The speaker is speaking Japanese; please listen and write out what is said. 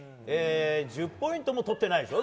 １０ポイントもとってないでしょ？